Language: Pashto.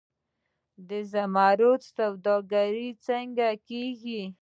د زمرد سوداګري څنګه کیږي؟